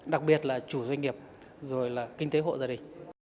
đặc biệt là chủ doanh nghiệp rồi là kinh tế hộ gia đình